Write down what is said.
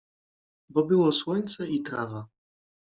Bo było słońce i trawa.